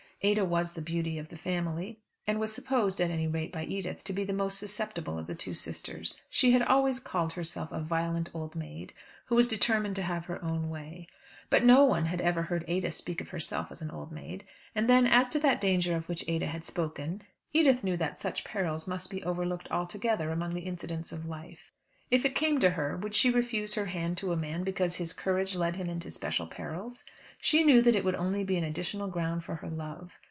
Ada was the beauty of the family, and was supposed, at any rate by Edith, to be the most susceptible of the two sisters. She had always called herself a violent old maid, who was determined to have her own way. But no one had ever heard Ada speak of herself as an old maid. And then as to that danger of which Ada had spoken, Edith knew that such perils must be overlooked altogether among the incidents of life. If it came to her would she refuse her hand to a man because his courage led him into special perils? She knew that it would only be an additional ground for her love.